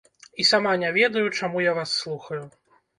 І сама не ведаю, чаму я вас слухаю.